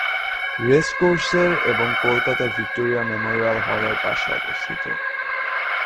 Race কোর্সের এবং কলকাতার ভিক্টোরিয়া মেমোরিয়াল হলের পাশে অবস্থিত।